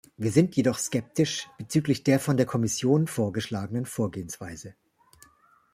Wir sind jedoch skeptisch bezüglich der von der Kommission vorgeschlagenen Vorgehensweise.